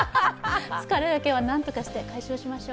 疲れだけはなんとかして解消しましょう。